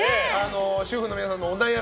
主婦の皆さんのお悩み。